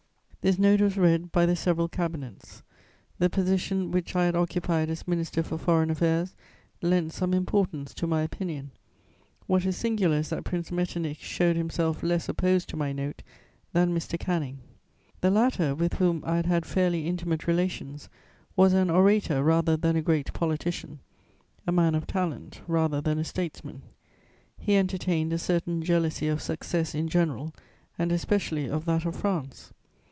"This Note was read by the several Cabinets. The position which I had occupied as Minister for Foreign Affairs lent some importance to my opinion: what is singular is that Prince Metternich showed himself less opposed to my Note than Mr. Canning. "The latter, with whom I had had fairly intimate relations, was an orator rather than a great politician, a man of talent rather than a statesman. He entertained a certain jealousy of success in general, and especially of that of France.